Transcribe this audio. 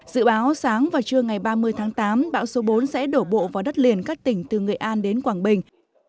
dự báo sáng và trưa ngày ba mươi tháng tám bão số bốn sẽ đổ bộ vào đất liền các tỉnh từ nghệ an đến quảng bình